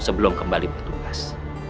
sebelum kembali bertugas